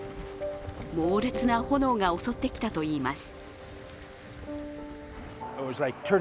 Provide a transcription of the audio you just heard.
猛烈な炎が襲ってきたといいます。